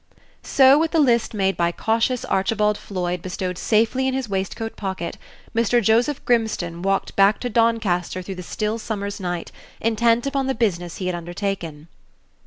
So, with the list made by cautious Archibald Floyd bestowed safely in his waistcoat pocket, Mr. Joseph Grimstone walked back to Doncaster through the still summer's night, intent upon the business he had undertaken.